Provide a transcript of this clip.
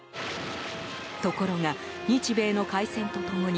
ところが日米の開戦と共に